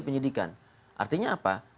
penyidikan artinya apa